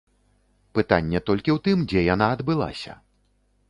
Пытанне толькі ў тым, дзе яна адбылася?